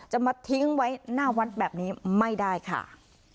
จะมาทิ้งไว้หน้าวัดแบบนี้ไม่ได้ค่ะ